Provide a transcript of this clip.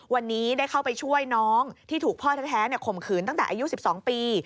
วันนี้ได้เข้าไปช่วยน้องที่ถูกพ่อแท้ข่มขืนตั้งแต่อายุ๑๒ปี